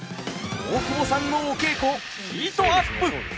大久保さんのお稽古ヒートアップ。